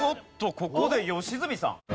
ここで良純さん。